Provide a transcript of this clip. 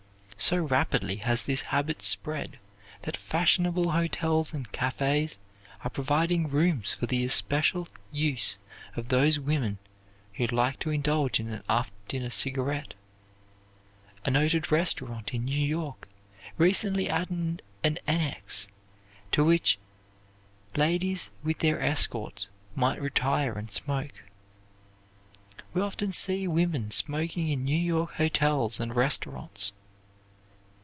So rapidly has this habit spread that fashionable hotels and cafes are providing rooms for the especial use of those women who like to indulge in an after dinner cigarette. A noted restaurant in New York recently added an annex to which ladies with their escorts might retire and smoke. We often see women smoking in New York hotels and restaurants.